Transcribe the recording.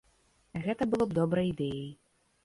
Гэта было б добрай ідэяй.